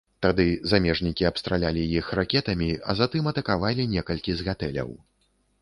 Тады замежнікі абстралялі іх ракетамі, а затым атакавалі некалькі з гатэляў.